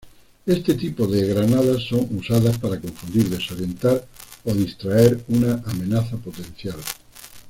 Este tipo de granadas son usadas para confundir, desorientar, o distraer una amenaza potencial.